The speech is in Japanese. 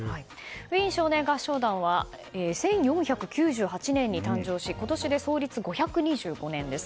ウィーン少年合唱団は１４９８年に誕生し今年で創立５２５年です。